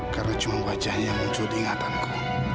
karena cuma wajahnya yang muncul di ingatanku